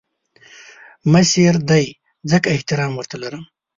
مشر دی ځکه احترام ورته لرم